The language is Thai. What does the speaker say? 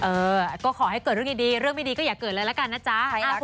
เออก็ขอให้เกิดเรื่องดีเรื่องไม่ดีก็อย่าเกิดเลยละกันนะจ๊ะ